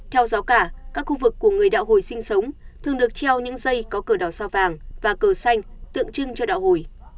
theo giáo cả các khu vực của người đạo hồi sinh sống thường được treo những giây có cờ đỏ sao vàng và cờ xanh tượng trưng cho đạo hồi